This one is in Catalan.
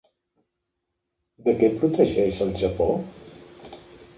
De què protegeix el Japó?